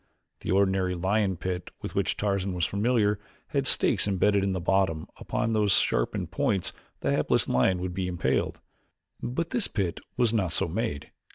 The ordinary lion pit with which Tarzan was familiar had stakes imbedded in the bottom, upon whose sharpened points the hapless lion would be impaled, but this pit was not so made.